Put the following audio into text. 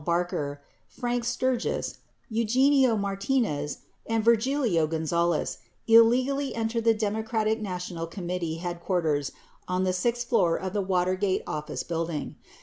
Barker, Frank Sturgis, Eugenio Martinez and Virgilio Gonzales illegally entered the Democratic National Committee head quarters on the sixth floor of the Watergate Office Building.